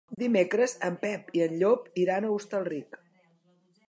Dimecres en Pep i en Llop iran a Hostalric.